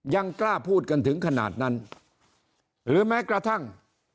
ยังกล้าพูดกันถึงขนาดนั้นหรือแม้กระทั่ง